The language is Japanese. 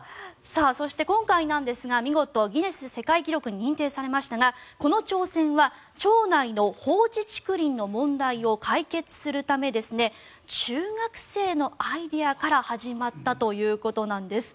そして今回なんですが見事ギネス世界記録に認定されましたがこの挑戦は町内の放置竹林の問題を解決するため中学生のアイデアから始まったということなんです。